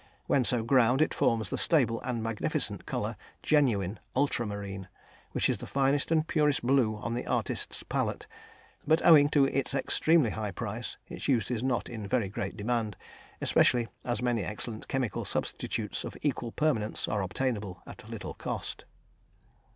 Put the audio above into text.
When so ground, it forms the stable and magnificent colour, genuine ultramarine, which is the finest and purest blue on the artist's palette, but owing to its extremely high price its use is not in very great demand, especially as many excellent chemical substitutes of equal permanence are obtainable at little cost.